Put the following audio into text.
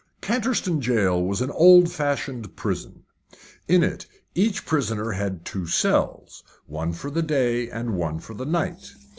Canterstone Jail was an old fashioned prison. In it each prisoner had two cells, one for the day and one for the night.